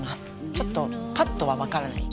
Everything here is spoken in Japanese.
ちょっとパッとは分からない